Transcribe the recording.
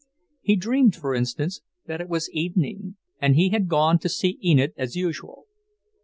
He dreamed, for instance, that it was evening, and he had gone to see Enid as usual.